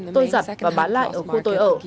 tôi giặt và bán lại ở khu tôi ở